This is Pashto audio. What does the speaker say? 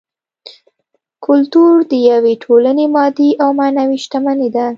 کولتور د یوې ټولنې مادي او معنوي شتمني ده